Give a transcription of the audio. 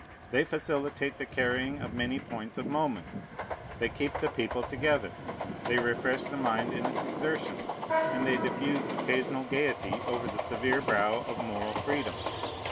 They facilitate the carrying of many points of moment; they keep the people together; they refresh the mind in its exertions; and they diffuse occasional gayety over the severe brow of moral freedom.